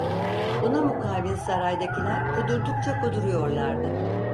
Buna mukabil saraydakiler, kudurdukça kuduruyorlardı.